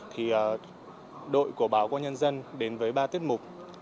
thì đội của báo công an nhân dân đến với ba tiết mục